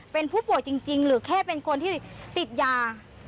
เป็นผู้ป่วยจริงหรือแค่เป็นคนที่ติดยา